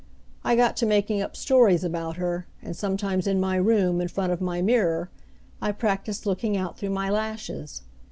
I got to making up stories about her, and sometimes in my room, in front of my mirror, I practised looking out through my lashes.